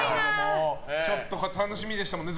ちょっと楽しみでしたもんね